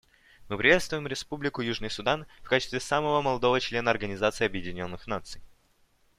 Мы приветствуем Республику Южный Судан в качестве самого молодого члена Организации Объединенных Наций.